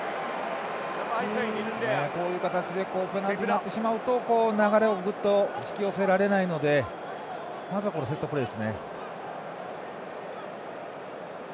こういう形でペナルティーを食らってしまうと流れをグッと引き寄せられないのでまずは、セットプレーですね。